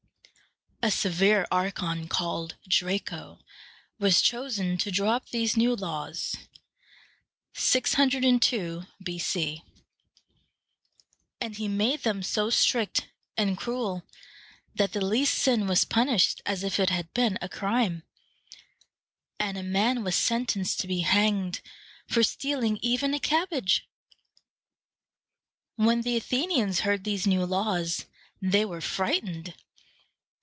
A severe archon called Dra´co was chosen to draw up these new laws (602 B.C.); and he made them so strict and cruel that the least sin was punished as if it had been a crime, and a man was sentenced to be hanged for stealing even a cabbage. When the Athenians heard these new laws, they were frightened.